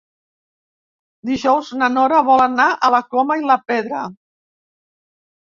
Dijous na Nora vol anar a la Coma i la Pedra.